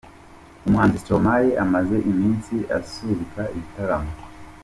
Umuhanzi Stromae amaze iminsi asubika ibitaramo.